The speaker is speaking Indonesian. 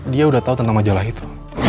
dia udah tahu tentang majalah itu